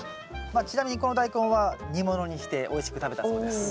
ちなみにこのダイコンは煮物にしておいしく食べたそうです。